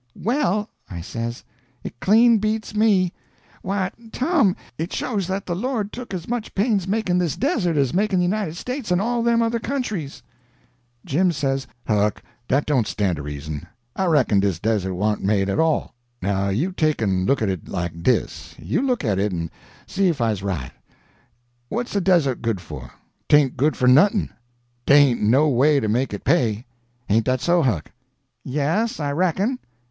"Well," I says, "it clean beats me. Why, Tom, it shows that the Lord took as much pains makin' this Desert as makin' the United States and all them other countries." Jim says: "Huck, dat don' stan' to reason. I reckon dis Desert wa'n't made at all. Now you take en look at it like dis—you look at it, and see ef I's right. What's a desert good for? 'Taint good for nuthin'. Dey ain't no way to make it pay. Hain't dat so, Huck?" "Yes, I reckon."